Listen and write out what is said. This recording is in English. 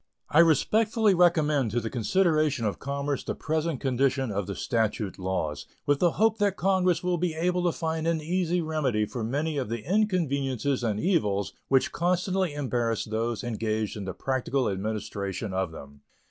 I respectfully recommend to the consideration of Congress the present condition of the statute laws, with the hope that Congress will be able to find an easy remedy for many of the inconveniences and evils which constantly embarrass those engaged in the practical administration of them.